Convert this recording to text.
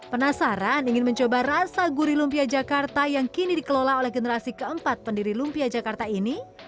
penasaran ingin mencoba rasa guri lumpia jakarta yang kini dikelola oleh generasi keempat pendiri lumpia jakarta ini